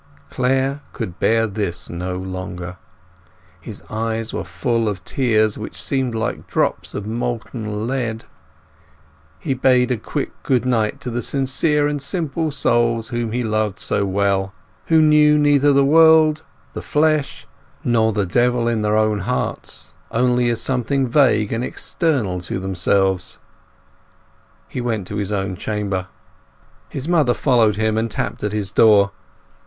Clare could bear this no longer. His eyes were full of tears, which seemed like drops of molten lead. He bade a quick good night to these sincere and simple souls whom he loved so well; who knew neither the world, the flesh, nor the devil in their own hearts, only as something vague and external to themselves. He went to his own chamber. His mother followed him, and tapped at his door.